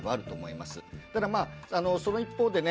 ただまあその一方でね